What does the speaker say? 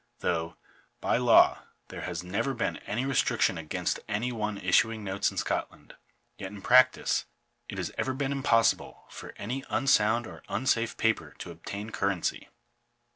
Though " by law there has never been any restriction against any one issuing notes in Scotland ; yet, in practice, it has ever been impossible for any unsound or unsafe paper to obtain currency."